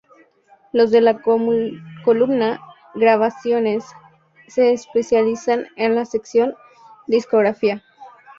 Los de la columna "Grabaciones" se especifican en la sección "Discografía".